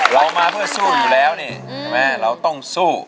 เรามาเพื่อสู้อยู่แล้วนี่ใช่ไหมเราต้องสู้